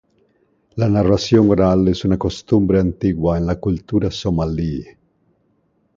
La narración oral es una costumbre antigua en la cultura somalí.